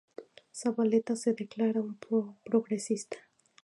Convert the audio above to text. Zabaleta se declara un progresista.